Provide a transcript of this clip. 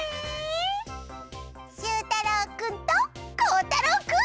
しゅうたろうくんとこうたろうくん。